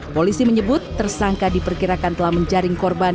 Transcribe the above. polisi menyebut tersangka diperkirakan telah menjaring korban